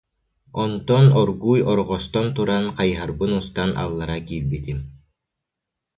Онтон оргууй орҕостон туран, хайыһарбын устан аллара киирбитим